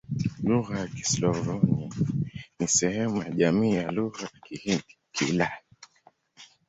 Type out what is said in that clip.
Lugha za Kislavoni ni sehemu ya jamii ya Lugha za Kihindi-Kiulaya.